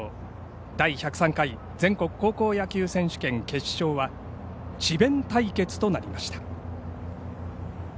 第１０３回全国高校野球選手権決勝は智弁対決となりました。